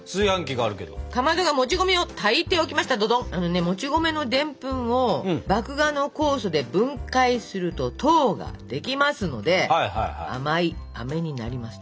あのねもち米のでんぷんを麦芽の酵素で分解すると糖ができますので甘いあめになりますと。